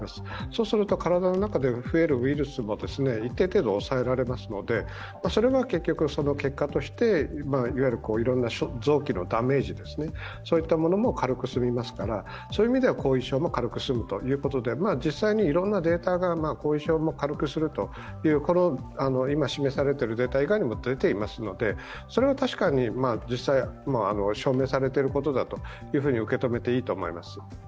そうすると、体の中で増えるウイルスも一定程度、抑えられますのでそれは結局、結果としていろんな臓器のダメージも軽く済みますからそういった意味では後遺症も軽く済むということで実際にいろいろなデータが後遺症も軽くするという、今、示されているデータ以外にも出ていますのでそれは確かに、証明されていることだと受け止めていいと思います。